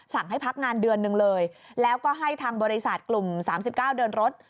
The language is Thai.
ให้พักงานเดือนหนึ่งเลยแล้วก็ให้ทางบริษัทกลุ่ม๓๙เดินรถ